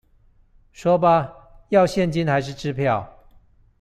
說吧，要現金還是支票？